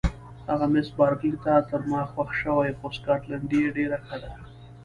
هغه مس بارکلي ته تر ما خوښ شوې، خو سکاټلنډۍ یې ډېره ښه ده.